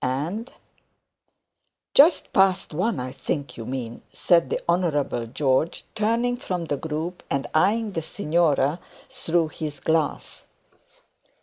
and ' 'Just past one, I think you mean,' said the Honourable John, turning from the group and eyeing the signora through his glass.